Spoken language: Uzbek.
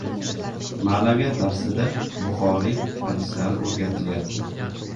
Ma’naviyat darsida Buxoriy hadislari o‘rgatilyapti